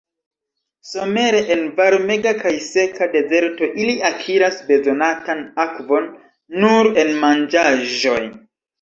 Somere en varmega kaj seka dezerto ili akiras bezonatan akvon nur el manĝaĵoj.